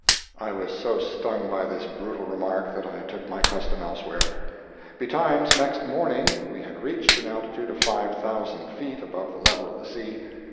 I was so stung by this brutal remark that I took my custom elsewhere. Betimes, next morning, we had reached an altitude of five thousand feet above the level of the sea.